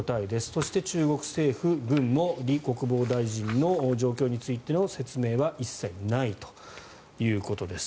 そして、中国政府は軍もリ国防大臣の状況についての説明は一切ないということです。